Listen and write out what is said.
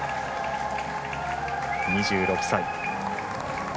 ２６歳。